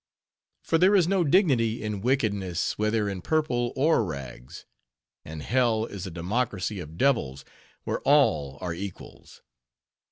For there is no dignity in wickedness, whether in purple or rags; and hell is a democracy of devils, where all are equals.